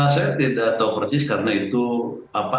saya tidak tahu persis karena itu ada di